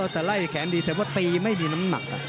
แต่ไล่แขนดีแต่ว่าตีไม่มีน้ำหนัก